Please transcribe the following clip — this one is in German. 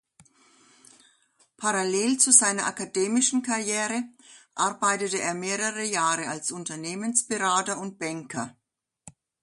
Parallel zu seiner akademischen Karriere arbeitete er mehrere Jahre als Unternehmensberater und Banker.